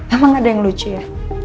emang ada yang lucu ya